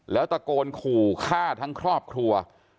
แล้วตะโกนขู่ฆ่าทั้งครอบครัว